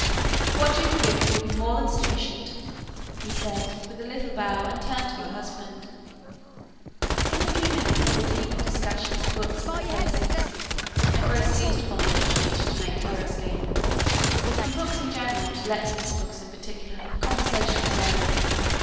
"What you can give me will be more than sufficient," he said, with a little bow, and turned to her husband. In a few minutes they were deep in a discussion of books and places, and Grace seized the opportunity to make her escape. From books in general to Lexman's books in particular the conversation flowed.